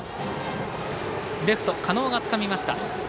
レフト、狩野がつかみました。